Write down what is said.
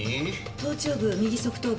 頭頂部右側頭部。